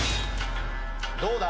どうだ？